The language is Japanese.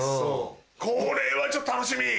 これはちょっと楽しみ。